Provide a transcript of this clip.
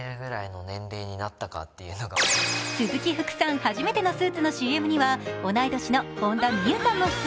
初めてのスーツのＣＭには同い年の本田望結さんも出演。